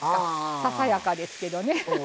ささやかですけど。